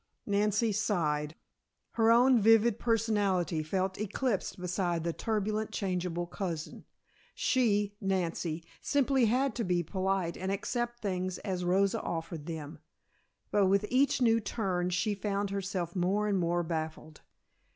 Nancy sighed. Her own vivid personality felt eclipsed beside the turbulent, changeable cousin. She, Nancy, simply had to be polite and accept things as Rosa offered them, but with each new turn she found herself more and more baffled.